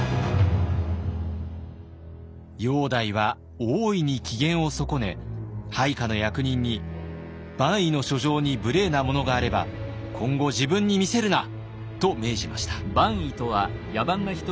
煬帝は大いに機嫌を損ね配下の役人に「蛮夷の書状に無礼なものがあれば今後自分に見せるな」と命じました。